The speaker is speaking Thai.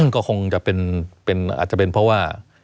ก็คงจะเป็นอาจจะเป็นเพราะว่า